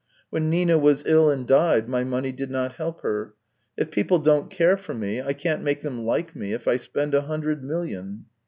When Nina was ill and died, my money did not help her. If people don't care for me, I can't make them like me if I spend a hundred million."